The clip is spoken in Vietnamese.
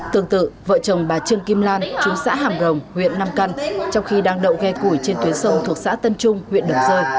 tương tự vợ chồng bà trương kim lan chú xã hàm rồng huyện nam căn trong khi đang đậu gh củi trên tuyến sông thuộc xã tân trung huyện đồng rơi